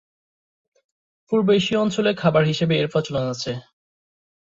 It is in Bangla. পূর্ব এশীয় অঞ্চলে খাবার হিসেবে এর প্রচলন আছে।